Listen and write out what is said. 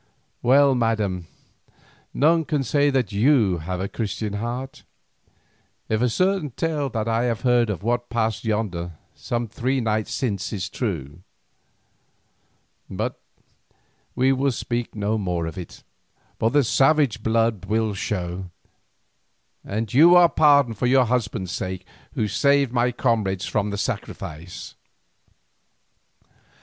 Well, Madam, none can say that you have a Christian heart. If a certain tale that I have heard of what passed yonder, some three nights since, is true. But we will speak no more of it, for the savage blood will show, and you are pardoned for your husband's sake who saved my comrades from the sacrifice."